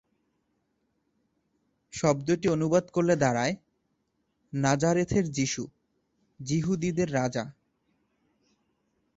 শব্দটি অনুবাদ করলে দাঁড়ায় "নাজারেথের যীশু, যিহূদীদের রাজা"।